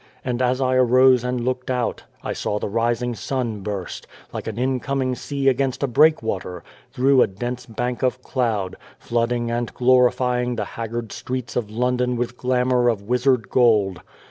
And as I arose and looked out, I saw the rising sun burst like an incoming sea against a breakwater through a dense bank of cloud, flooding and glorifying the haggard streets of London with glamour of wizard gold.